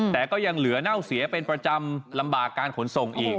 แต่ก็ยังเหลือเน่าเสียเป็นประจำลำบากการขนส่งอีก